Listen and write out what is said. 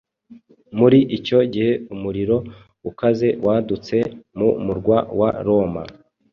Muri icyo gihe umuriro ukaze wadutse mu murwa wa Roma